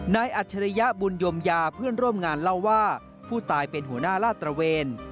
อัจฉริยบุญยมยาเพื่อนร่วมงานเล่าว่าผู้ตายเป็นหัวหน้าลาดตระเวน